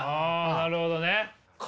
なるほど。